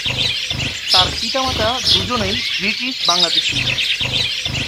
তার পিতামাতা দুজনেই ব্রিটিশ বাংলাদেশী।